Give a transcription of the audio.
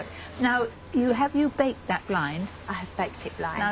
はい。